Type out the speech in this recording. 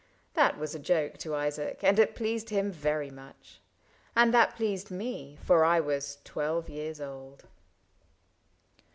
That was a joke To Isaac, and it pleased him very much ; And that pleased me — for I was twelve years old.